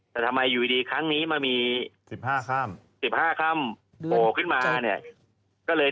แต่ทำไมครั้งนี้มามี๑๕ค่ำโผล่ขึ้นมาเนี่ย